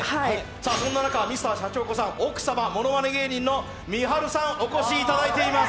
そんな中、Ｍｒ．シャチホコさん、奥さんはものまね芸人のみはるさん、お越しいただいています。